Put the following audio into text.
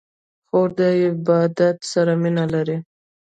خور د عبادت سره مینه لري.